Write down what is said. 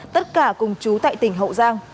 tất cả cùng chú tại tỉnh hậu giang